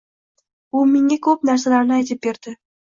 U menga ko`p narsalarni aytib berdi